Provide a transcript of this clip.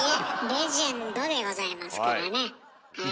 レジェンドでございますからねはい。